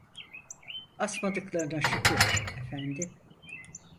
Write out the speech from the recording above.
Asmadıklarına şükür, efendi!